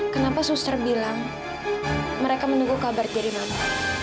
kenapa suster bilang mereka menunggu kabar dari mama